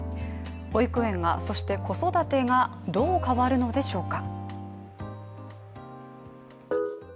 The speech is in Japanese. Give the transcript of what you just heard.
保育園が、そして子育てがどう変わるのでしょうか。